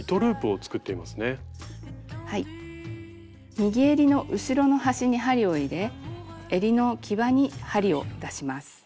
右えりの後ろの端に針を入れえりの際に針を出します。